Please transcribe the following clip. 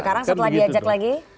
sekarang setelah diajak lagi